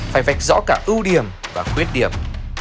phải vạch rõ cả ưu điểm và khuyết điểm